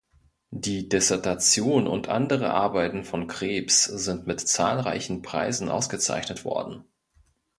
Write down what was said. Die Dissertation und andere Arbeiten von Krebs sind mit zahlreichen Preisen ausgezeichnet worden.